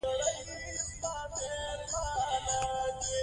کعبه د نړۍ په ټولو مسلمانانو کې احترام لري.